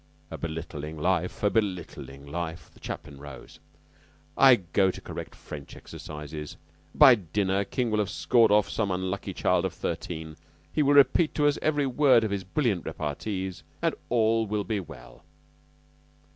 "A belittling life a belittling life." The chaplain rose. "I go to correct French exercises. By dinner King will have scored off some unlucky child of thirteen; he will repeat to us every word of his brilliant repartees, and all will be well."